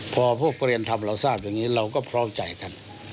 พอพวกประเรียนธรรมเราทราบอย่างนี้เราก็พร้อมใจกัน